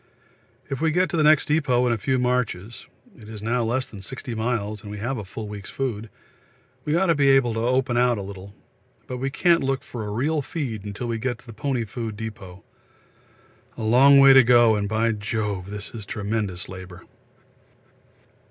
If we get to the next depôt in a few marches (it is now less than 60 miles and we have a full week's food) we ought to be able to open out a little, but we can't look for a real feed till we get to the pony food depot. A long way to go, and, by Jove, this is tremendous labour.